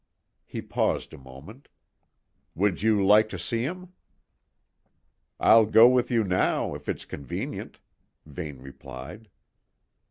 He paused a moment. "Would you like to see him?" "I'll go with you now, if it's convenient," Vane replied.